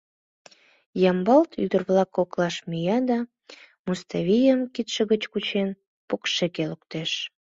Ямблат ӱдыр-влак коклаш мия да Муставийым, кидше гыч кучен, покшеке луктеш.